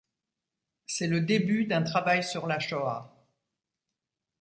C'est le début d'un travail sur la Shoah.